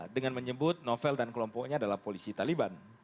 dengan menyebut novel dan kelompoknya adalah polisi taliban